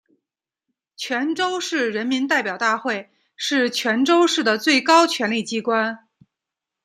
泉州市人民代表大会是泉州市的最高权力机关。